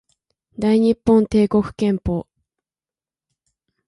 大日本帝国憲法